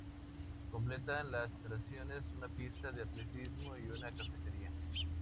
Completan las instalaciones una pista de atletismo y una cafetería.